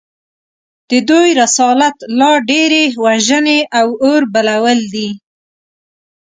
د دوی رسالت لا ډېرې وژنې او اوربلول دي